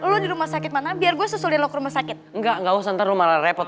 lo di rumah sakit mana biar gue susulnya lo ke rumah sakit enggak nggak usah ntar lu malah repot